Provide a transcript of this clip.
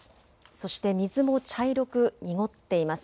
そして水も茶色く濁っています。